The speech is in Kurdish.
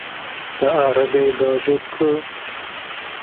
Te erebeyê diajot ku?